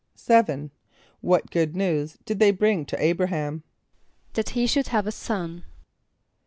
= =7.= What good news did they bring to [=A]´br[)a] h[)a]m? =That he should have a son.